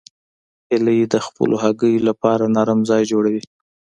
هیلۍ د خپلو هګیو لپاره نرم ځای جوړوي